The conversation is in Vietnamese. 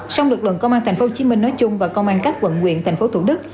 sau lực lượng công an tp hcm nói chung và công an các quận nguyện tp thủ đức